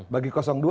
bagi dua akan